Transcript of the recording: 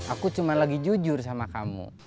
aku cuma lagi jujur sama kamu